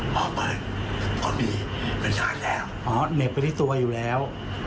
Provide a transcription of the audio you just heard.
พอเปิดพอมีเป็นชาติแล้วอ๋อเหน็บกับที่สวยอยู่แล้วอ๋อ